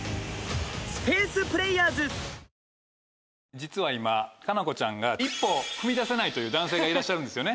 実は今佳菜子ちゃんが一歩踏み出せないという男性がいらっしゃるんですよね？